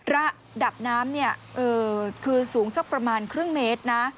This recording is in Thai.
ระดับน้ำคือสูงสักประมาณครึ่งเมตรนะ